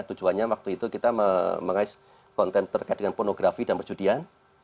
tujuannya waktu itu kita mengais konten terkait dengan pornografi dan perjudian